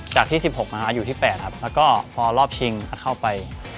ที่๑๖อยู่ที่๘ครับแล้วก็พอรอบชิงก็เข้าไป